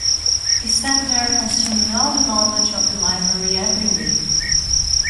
He sat there consuming all the knowledge of the library every week.